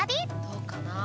どうかなあ。